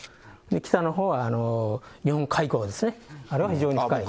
北のほうは日本海溝ですね、あれは非常に深いです。